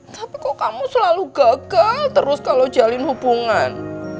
tapi kok kamu selalu gagal terus kalau jalin hubungan